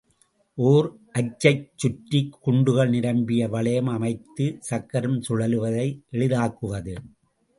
ஒர் அச்சைச் சுற்றிக் குண்டுகள் நிரம்பிய வளையம் அமைந்து சக்கரம் சுழல்வதை எளிதாக்குவது.